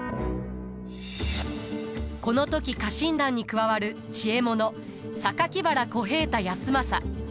この時家臣団に加わる知恵者原小平太康政。